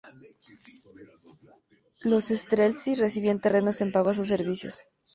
Los "streltsí" recibían terrenos en pago a sus servicios.